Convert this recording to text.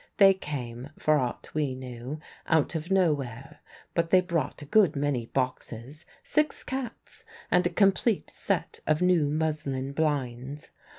They came (for aught we knew) out of nowhere; but they brought a good many boxes, six cats, and a complete set of new muslin blinds.